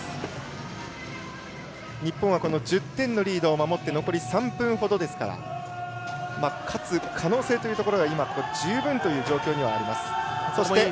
日本は１０点のリードを守って残り３分ほどですから勝つ可能性というのは今十分という状況にはあります。